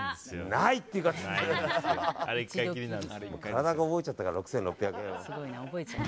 体が覚えちゃったから６６００円。